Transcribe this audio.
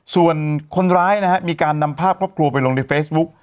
ส่วนคนร้ายนะฮะมีการนำภาพครอบครัวไปลงในเฟซบุ๊ก